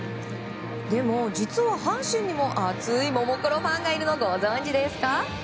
でも実は阪神にも熱いももクロファンがいるのをご存じですか？